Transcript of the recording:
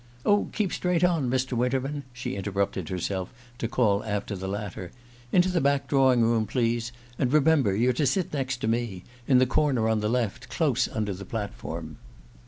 "Oh, keep straight on, Mr. Winterman!" she interrupted herself to call after the latter. "Into the back drawing room, please! And remember, you're to sit next to me in the corner on the left, close under the platform."